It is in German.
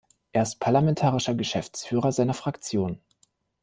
Er ist Parlamentarischer Geschäftsführer seiner Fraktion.